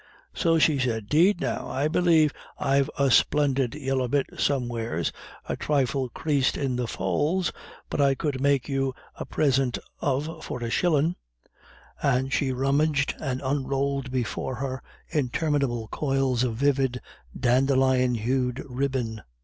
So she said, "'Deed, now, I believe I've a splindid yella bit somewheres, a trifle creased in the folds, that I could make you a prisint of for a shillin'." And she rummaged, and unrolled before him interminable coils of vivid dandelion hued ribbon.